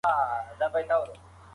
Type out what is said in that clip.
ټولنیز ځواک د ټولنې د اصولو ملاتړ کوي.